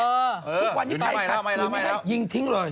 ใครขัดขืนยิงทิ้งเลย